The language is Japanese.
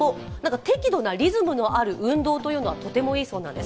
適度なリズムのある運動がとてもいいそうなんです。